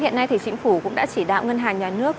hiện nay thì chính phủ cũng đã chỉ đạo ngân hàng nhà nước